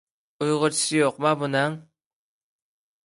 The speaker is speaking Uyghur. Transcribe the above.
ئۇيغۇرچىسى يوقما بۇنىڭ؟